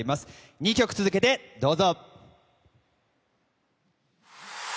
２曲続けてどうぞ。